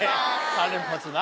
３連発な。